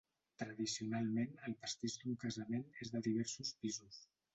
Tradicionalment el pastís d'un casament és de diversos pisos.